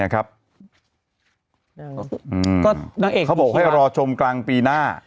นางเอกเขาบอกให้รอชมกลางปีหน้า